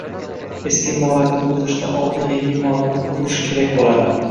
Eski imoratni buzishdan oldin yangi imoratni qurish kerak bo‘ladi.